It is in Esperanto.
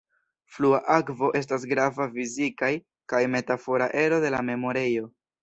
Flua akvo estas grava fizikaj kaj metafora ero de la memorejo.